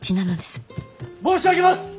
申し上げます！